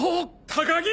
高木！